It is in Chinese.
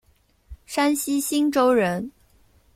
山西忻州人。